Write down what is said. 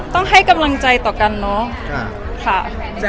ต้องให้กำลังใจต่อกันเนาะ